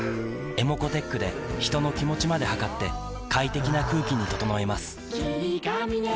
ｅｍｏｃｏーｔｅｃｈで人の気持ちまで測って快適な空気に整えます